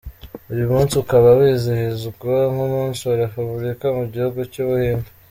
Uyu munsi ukaba wizihizwa nk’umunsi wa Repubulika mu gihugu cy’ubuhinde.